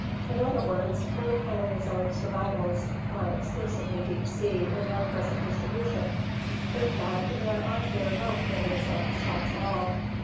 In other words, no Paleozoic survivals are exclusively deep sea in their present distribution, in fact, there are here no Paleozoic stocks at all.